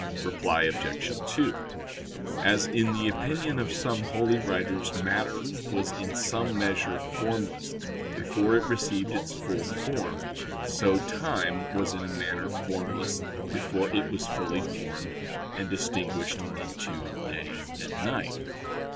Reply Obj. 2: As in the opinion of some holy writers matter was in some measure formless before it received its full form, so time was in a manner formless before it was fully formed and distinguished into day and night.